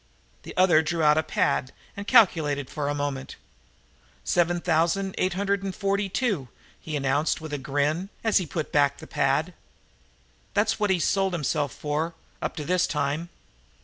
The other drew out a pad and calculated for a moment: "Seven thousand eight hundred and forty two," he announced with a grin, as he put back the pad. "That's what he's sold himself for, up to this time."